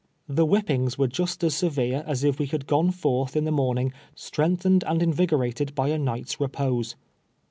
The whippings M'ere just as severe as if we had gone forth in the morning, strengthened and invigorated by a night's repose.